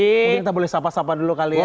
mungkin kita boleh sapa sapa dulu kali ya